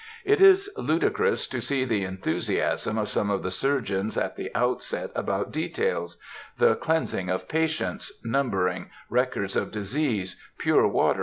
It is ludicrous to see the enthusiasm of some of the surgeons at the outset about details; the cleansing of patients, numbering, records of disease, pure water, &c.